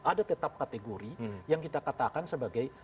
ada tetap kategori yang kita katakan sebagai